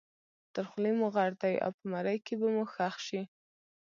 تر خولې مو غټ دی او په مرۍ کې به مو ښخ شي.